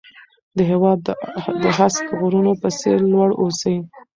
د هېواد د هسک غرونو په څېر لوړ اوسئ.